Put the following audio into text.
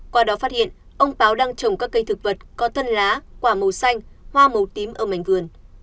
qua đó phát hiện ông báo đang trồng các cây thực vật có thân lá quả màu xanh hoa màu tím ở mảnh vườn